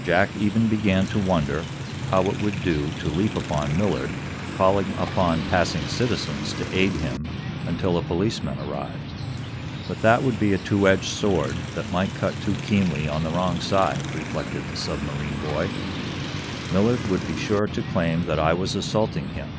Jack even began to wonder how it would do to leap upon Millard, calling upon passing citizens to aid him until a policeman arrived. "But that would be a two edged sword, that might cut too keenly on the wrong side," reflected the submarine boy. "Millard would be sure to claim that I was assaulting him.